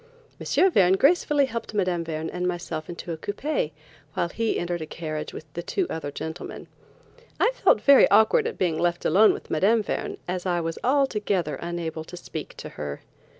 M. Verne gracefully helped Mme. Verne and myself into a coupé, while he entered a carriage with the two other gentlemen. I felt very awkward at being left alone with Mme. Verne, as I was altogether unable to speak to her.